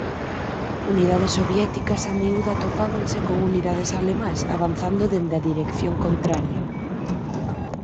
Unidades soviéticas a miúdo atopábanse con unidades alemás avanzando dende a dirección contraria.